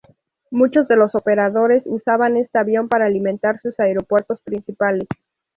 Muchos de los operadores usaban este avión para alimentar sus aeropuertos principales.